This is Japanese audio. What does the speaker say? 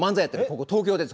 ここ東京です。